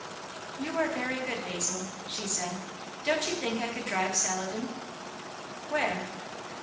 "You are very good, Basil!" she said. "Don't you think I could drive Saladin?" "Where?"